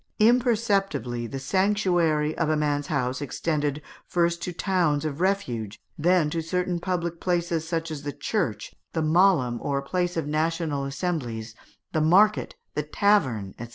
Imperceptibly, the sanctuary of a man's house extended, first to towns of refuge, and then to certain public places, such as the church, the mahlum, or place of national assemblies, the market, the tavern, &c.